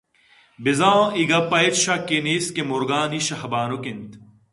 بِہ زاں اے گپ¬ّ ءَ ہچ شکّ ئے نیست کہ مُرغانی شہ بانُک اِنت